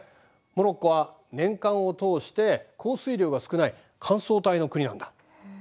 モロッコは年間を通して降水量が少ない乾燥帯の国なんだ。